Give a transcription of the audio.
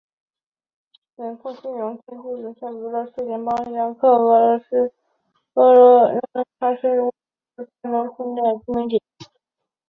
梅连斯克农村居民点是俄罗斯联邦布良斯克州斯塔罗杜布区所属的一个农村居民点。